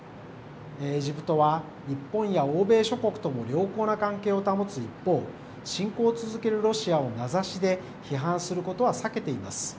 エジプトは日本や欧米諸国とも良好な関係を保つ一方、侵攻を続けるロシアを名指しで批判することは避けています。